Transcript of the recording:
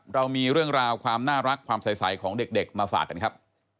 เรามีเรื่องราวความน่ารักความใสของเด็กมาฝากกันครับ